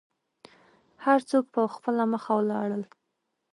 هر څوک په خپله مخه ولاړل.